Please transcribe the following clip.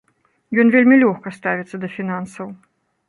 Ён вельмі лёгка ставіцца да фінансаў.